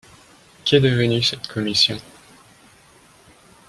Qu'est devenu cette commission ?